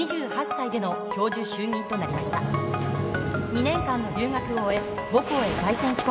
２年間の留学を終え母校へ凱旋帰国。